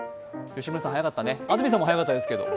安住さんも早かったけど。